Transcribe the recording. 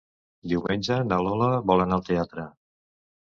Diumenge na Lola vol anar al teatre.